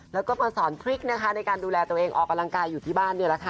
แล้วก็มาสอนทริคในการดูแลตัวเองออกกำลังกายอยู่ที่บ้าน